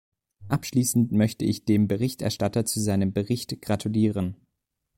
Abschließend möchte ich dem Berichterstatter zu seinem Bericht gratulieren.